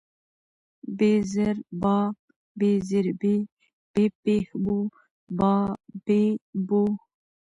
ب زر با، ب زېر بي، ب پېښ بو، با بي بو